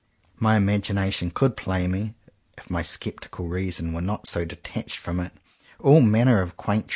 My imagination could play me, if my sceptical reason were not so detached from it, all manner of quaint tricks.